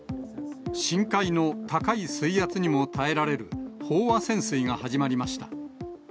深海の高い水圧にも耐えられる飽和潜水が始まりました。